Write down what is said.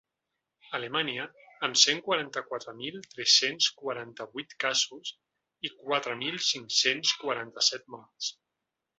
Alemanya, amb cent quaranta-quatre mil tres-cents quaranta-vuit casos i quatre mil cinc-cents quaranta-set morts.